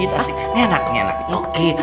ini enak ini enak